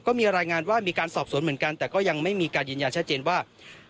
ก็มีรายงานว่ามีการสอบสวนเหมือนกันแต่ก็ยังไม่มีการยืนยันชัดเจนว่า